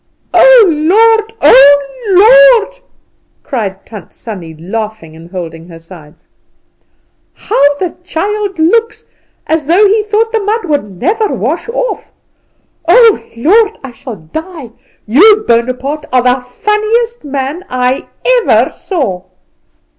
"Oh, Lord! oh! Lord!" cried Tant Sannie, laughing and holding her sides; "how the child looks as though he thought the mud would never wash off. Oh, Lord, I shall die! You, Bonaparte, are the funniest man I ever saw."